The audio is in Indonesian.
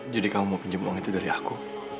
jadi kamu mau pinjem uang itu dari aku